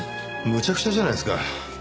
むちゃくちゃじゃないですか。